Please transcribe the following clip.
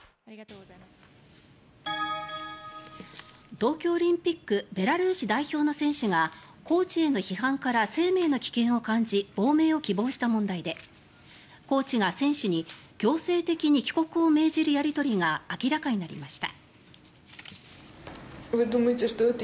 東京オリンピックベラルーシ代表の選手がコーチへの批判から生命の危険を感じ亡命を希望した問題でコーチが選手に強制的に帰国を命じるやり取りが明らかになりました。